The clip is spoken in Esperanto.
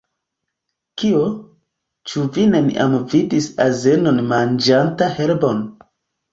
Kio? Ĉu vi neniam vidis azenon manĝanta herbon?